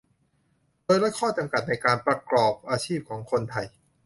โดยลดข้อจำกัดในการประกอบอาชีพของคนไทย